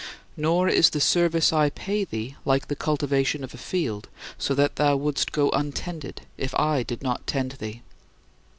Nor is the service I pay thee like the cultivation of a field, so that thou wouldst go untended if I did not tend thee.